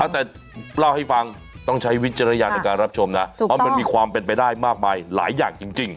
แต่เล่าให้ฟังต้องใช้วิจารณญาณในการรับชมนะเพราะมันมีความเป็นไปได้มากมายหลายอย่างจริง